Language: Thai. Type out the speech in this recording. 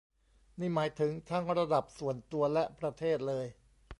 นี่หมายถึงทั้งระดับส่วนตัวและประเทศเลย